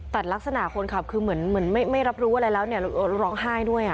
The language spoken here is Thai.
แต่ลักษณะคนขับคือเหมือนไม่รับรู้อะไรแล้วเนี่ยร้องไห้ด้วย